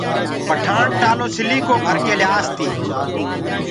پٺآڻ ٽآلو سلِيٚ ڪو ڀر ڪي ليآس تي